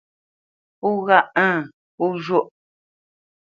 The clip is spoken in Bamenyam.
Pó ghâʼ ə̂ŋ pó zhwôʼ.